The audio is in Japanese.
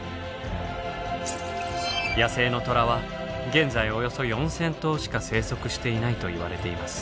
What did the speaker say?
野生のトラは現在およそ４，０００頭しか生息していないといわれています。